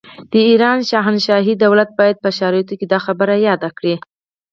د ایران شاهنشاهي دولت باید په شرایطو کې دا خبره یاده کړي.